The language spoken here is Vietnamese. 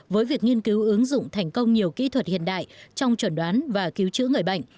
với việc nghiên cứu ứng dụng thành công nhiều kỹ thuật hiện đại trong chuẩn đoán và cứu chữa người bệnh